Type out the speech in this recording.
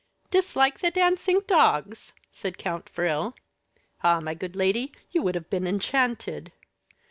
"Dislike the dancing dogs!" said Count Frill. "Ah, my good lady, you would have been enchanted.